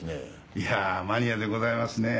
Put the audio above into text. いやマニアでございますね。